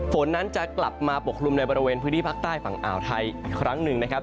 ฝนนั้นจะกลับมาปกคลุมในบริเวณพื้นที่ภาคใต้ฝั่งอ่าวไทยอีกครั้งหนึ่งนะครับ